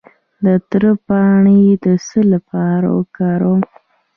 د تره پاڼې د څه لپاره وکاروم؟